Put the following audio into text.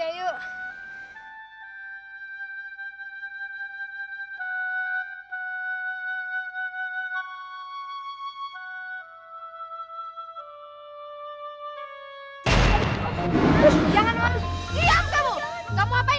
saya sudah jatuh sendirian dari segi makasih